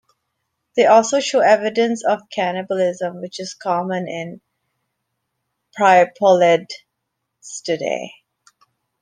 They also show evidence of cannibalism, which is common in priapulids today.